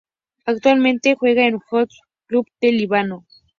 Actualmente juega en el Hoops Club de Líbano.